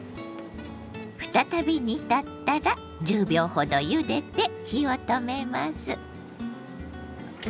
再び煮立ったら１０秒ほどゆでて火を止めます。